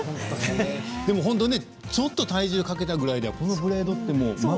本当、ちょっと体重かけたぐらいではこのブレードって。